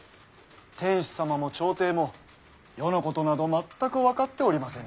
天子様も朝廷も世のことなど全く分かっておりませぬ。